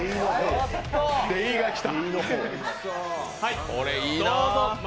出井が来た。